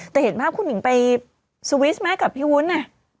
แต่เห็นภาพคุณหญิงไปสวิสไหมกับพี่วุ้น